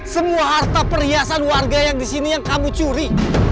semua harta perhiasan warga yang disini yang kamu curi